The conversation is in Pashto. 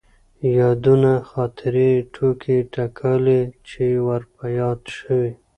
يادونه ،خاطرې، ټوکې تکالې چې ور په ياد شوي.